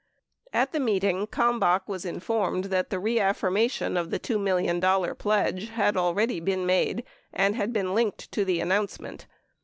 At the meeting, Kalmbach was informed that the reaffirmation of the $2 million pledge had already been made and been linked to the announcement.